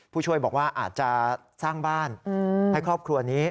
ผู้ช่วยบอกว่าอาจจะสร้างบ้านให้ครอบครัวนี้